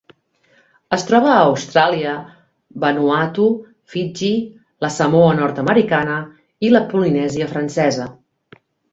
Es troba a Austràlia, Vanuatu, Fiji, la Samoa Nord-americana i la Polinèsia Francesa.